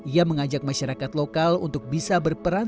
ia mengajak masyarakat lokal untuk bisa berperan